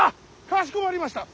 かしこまりました。